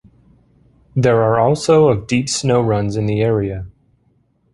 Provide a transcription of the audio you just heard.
There are also of deep snow runs in the area.